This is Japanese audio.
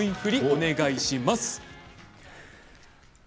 お願いします。